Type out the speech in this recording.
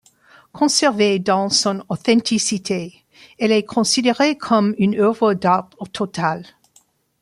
Conservée dans son authenticité, elle est considérée comme une œuvre d'art totale.